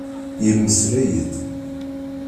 Yemmeslay-d.